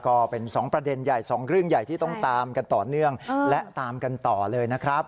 ก็เป็น๒ประเด็นใหญ่สองเรื่องใหญ่ที่ต้องตามกันต่อเนื่องและตามกันต่อเลยนะครับ